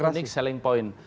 jadi ada unik selling point